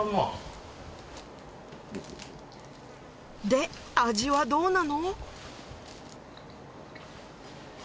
で味はどうなの？